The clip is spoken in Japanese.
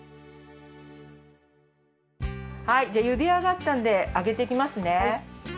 はいじゃゆであがったんであげていきますね。